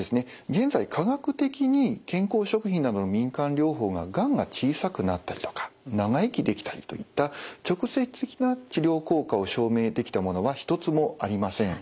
現在科学的に健康食品などの民間療法ががんが小さくなったりとか長生きできたりといった直接的な治療効果を証明できたものは１つもありません。